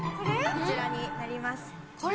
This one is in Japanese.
こちらになります。